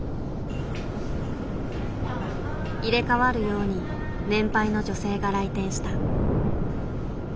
入れ代わるように年配の女性が来店した。